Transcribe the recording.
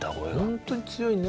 本当に強いね。